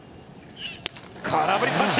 空振り三振！